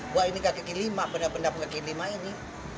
buat ini kaki lima benda benda penggaki lima ini